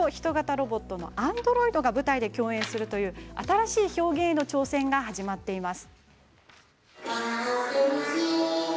ロボットのアンドロイドが舞台で共演するという新しい表現への挑戦が始まっています。